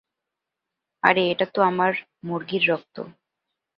আরে এটা তো আমার মুরগির রক্ত।